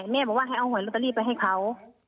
แม่บอกว่าให้เอาหวยลอตเตอรี่ไปให้เขา